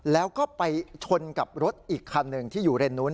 แล้วก็ไปชนกับรถอีกคันหนึ่งที่อยู่เรนนู้น